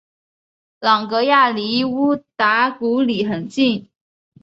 朗格亚离乌达古里很近。